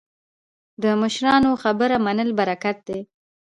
د مشرانو خبره منل برکت دی